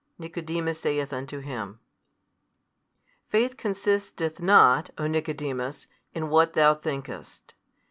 Nicodemus saith unto Him, Faith consisteth not, O Nicodemus, in what thou thinkest.